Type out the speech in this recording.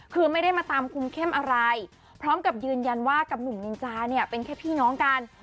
คือไม่ได้มาตามคุมเข้มอะไรพร้อมกับยืนยันว่ากับหนุ่มนินจาเนี่ยเป็นแค่พี่น้องกัน